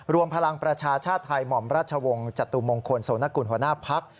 รวมพลังประชาชาติไทยหม่อมราชวงศ์จตุมงคลโสนกุลหัวหน้าพัก